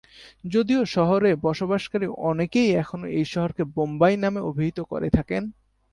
যদিও শহরে বসবাসকারী অনেকেই এখনও এই শহরকে "বোম্বাই" নামে অভিহিত করে থাকেন।